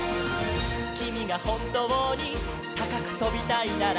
「きみがほんとうにたかくとびたいなら」